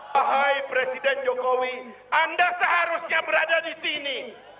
pahai presiden jokowi anda seharusnya berada di sini